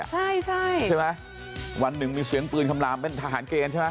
ใช่ใช่ใช่ไหมวันหนึ่งมีเสียงปืนคำลามเป็นทหารเกณฑ์ใช่ไหม